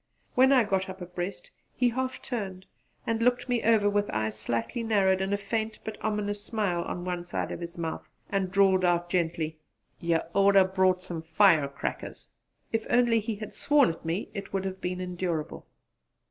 When I got up abreast he half turned and looked me over with eyes slightly narrowed and a faint but ominous smile on one side of his mouth, and drawled out gently: "You'd oughter brought some fire crackers!" If only he had sworn at me it would have been endurable.